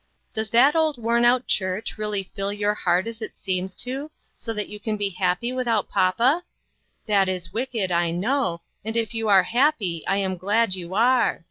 Does that old worn out church really fill your heart as it seems to, so that you can be happy without papa? That is wicked, I know, and if you are happy, I am glad you are.